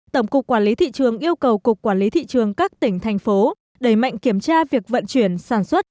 tổng cục quản lý thị trường yêu cầu cục quản lý thị trường các tỉnh thành phố đẩy mạnh kiểm tra việc vận chuyển sản xuất